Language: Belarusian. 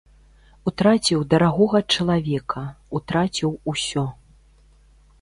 Утраціў дарагога чалавека, утраціў усе.